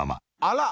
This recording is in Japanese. あら！